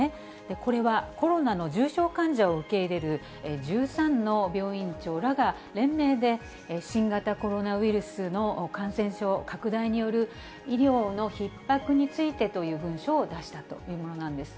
これはコロナの重症患者を受け入れる１３の病院長らが連名で、新型コロナウイルスの感染症拡大による医療のひっ迫についてという文書を出したというものなんです。